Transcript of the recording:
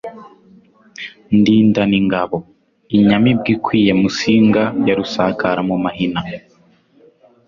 Ndindana ingabo..Inyamibwa ikwiye Musinga, ya rusakara mu mahina,